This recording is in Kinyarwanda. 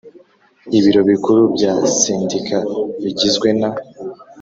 Ibiro Bikuru bya Sendika bigizwe na